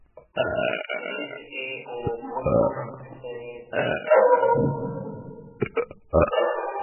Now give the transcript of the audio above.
List A ও প্রথম-শ্রেণীর cricketer.